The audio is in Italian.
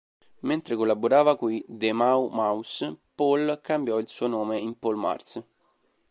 Mentre collaborava coi "The Mau Maus" Paul cambiò il suo nome in Paul Mars.